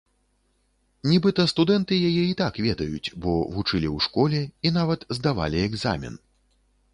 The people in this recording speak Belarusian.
Нібыта, студэнты яе і так ведаюць, бо вучылі ў школе, і нават здавалі экзамен.